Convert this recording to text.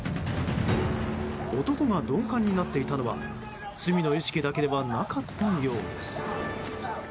男が鈍感になっていたのは罪の意識だけではなかったようです。